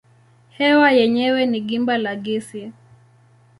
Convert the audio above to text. Hewa yenyewe ni gimba la gesi.